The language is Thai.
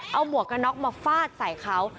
เอาหมวกกระน็อกมาฟาดใส่เขา